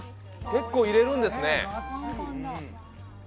結構入れるんですね。